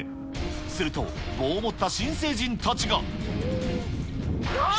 すると、棒を持った新成人たちが。